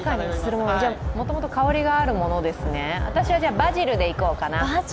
もともと香りがあるものですね、私は、バジルでいこうかな。